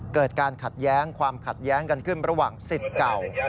เกิดการขัดแย้งความขัดแย้งกันขึ้นระหว่างสิทธิ์เก่า